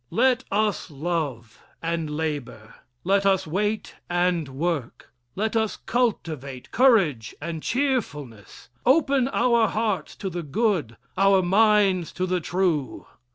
Let us love and labor. Let us wait and work. Let us cultivate courage and cheerfulness open our hearts to the good our minds to the true.